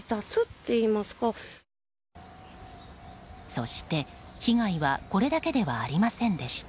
そして、被害はこれだけではありませんでした。